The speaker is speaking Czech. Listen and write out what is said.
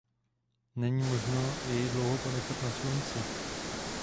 Není možno jej dlouho ponechat na slunci.